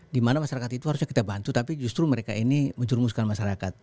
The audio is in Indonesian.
dimana masyarakat itu harusnya kita bantu tapi justru mereka ini menjerumuskan masyarakat